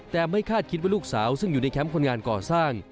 แต่ไม่คาดคิดว่าลูกสาวซึ่งอยู่ในแคมป์คนงานก่อสร้าง